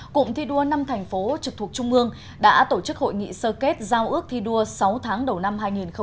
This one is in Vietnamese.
cụm thi đua năm thành phố trực thuộc trung ương đã tổ chức hội nghị sơ kết giao ước thi đua sáu tháng đầu năm hai nghìn hai mươi